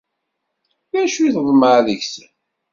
D acu i teḍmeε deg-sen?